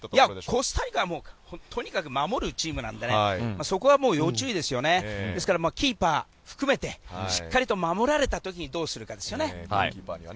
コスタリカはとにかく守るチームなのでそこは要注意ですからキーパーを含めてしっかりと守られた時にどうするかですね。